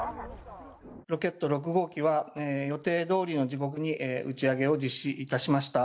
ロケット６号機は、予定どおりの時刻に打ち上げを実施いたしました。